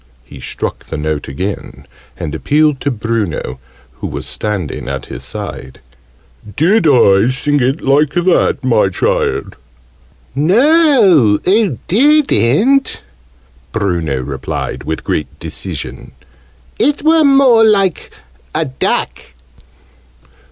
He struck the note again, and appealed to Bruno, who was standing at his side. "Did I sing it like that, my child?" "No, oo didn't," Bruno replied with great decision. "It were more like a duck."